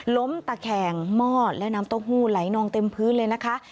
ล้มตะแคงหม้อและน้ำเต้าหู้ไหลนองเต็มพื้นเลยนะคะ